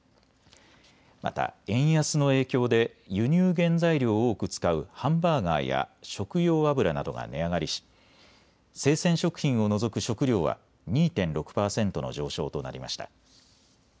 また円安の影響で輸入原材料を多く使うハンバーガーや食用油などが値上がりし生鮮食品を除く食料は２．６％の上昇となりました。